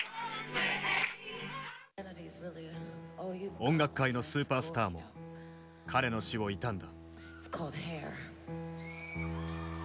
音楽界のスーパースターも彼の死を悼んだ。